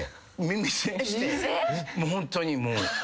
ホントにもう。